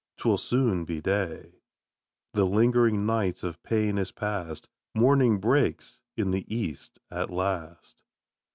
'twill soon be day;" The lingering night of pain is past, Morning breaks in the east at last.